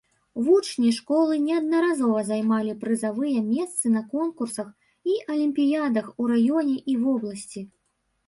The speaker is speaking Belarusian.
Вучні школы неаднаразова займалі прызавыя месцы на конкурсах і алімпіядах у раёне і вобласці.